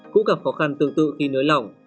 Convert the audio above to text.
cũng gặp khó khăn tương tự khi nới lỏng